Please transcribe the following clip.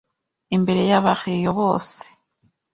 imbere y’ aba-Rayons bose ”